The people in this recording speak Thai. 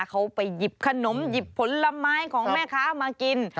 เขาไปหยิบขนมหยิบผลไม้ของแม่ค้ามากิน